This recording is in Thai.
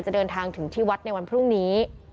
จะเดินทางถึงที่วัดในวันพรุ่งนี้